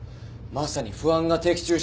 まさに不安が的中した。